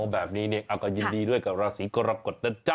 แบบนี้เนี่ยก็ยินดีด้วยกับราศีกรกฎนะจ๊ะ